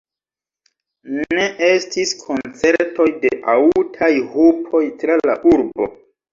Ne estis koncertoj de aŭtaj hupoj tra la urbo.